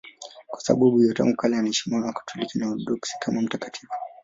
Kwa sababu hiyo tangu kale anaheshimiwa na Wakatoliki na Waorthodoksi kama mtakatifu.